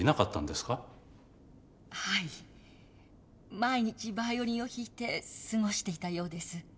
毎日バイオリンを弾いて過ごしていたようです。